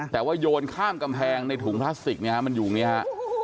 แต่ว่าโยนข้ามกำแพงในถุงพลาสติกเนี่ยฮะมันอยู่อย่างนี้ฮะ